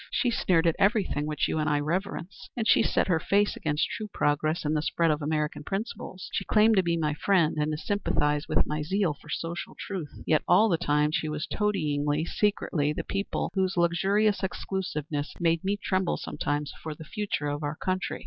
She sneered at everything which you and I reverence, and she set her face against true progress and the spread of American principles. She claimed to be my friend, and to sympathize with my zeal for social truth, yet all the time she was toadying secretly the people whose luxurious exclusiveness made me tremble sometimes for the future of our country.